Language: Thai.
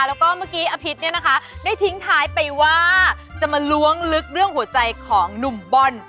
แล้วก็เมื่อกี้อภิษเนี่ยนะคะได้ทิ้งท้ายไปว่าจะมาล้วงลึกเรื่องหัวใจของหนุ่มบอล